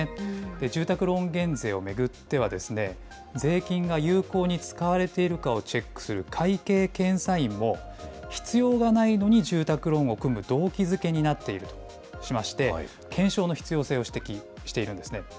住宅ローン減税を巡っては、税金が有効に使われているかをチェックする会計検査院も、必要がないのに住宅ローンを組む動機づけになっているとしまして、検証の必要性を指摘しているんですね。